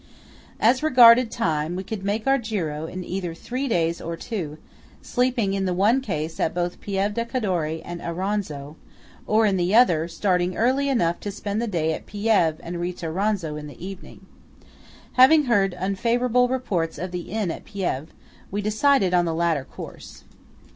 As regarded time, we could make our giro in either three days or two; sleeping in the one case both at Pieve di Cadore and Auronzo, or, in the other, starting early enough to spend the day at Pieve and reach Auronzo in the evening. Having heard unfavourable reports of the inn at Pieve, we decided on the latter course.